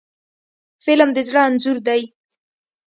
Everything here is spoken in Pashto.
فلم د زړه انځور دی